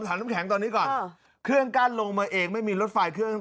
น้ำแข็งตอนนี้ก่อนเครื่องกั้นลงมาเองไม่มีรถไฟเครื่อง